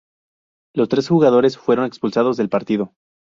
Los tres jugadores fueron expulsados del partido.